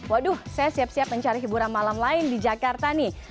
waduh saya siap siap mencari hiburan malam lain di jakarta nih